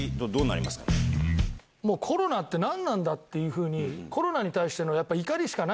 コロナって何なんだ！っていうふうに。